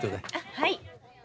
はい。